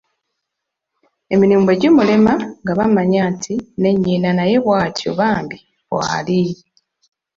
Emirimu bwe gimulema nga bamanya nti ne nnyina naye bwatyo bambi bwali.